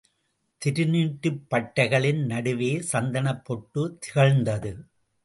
திருநீற்றுப்பட்டைகளின் நடுவே சந்தனப் பொட்டு திகழ்ந்தது.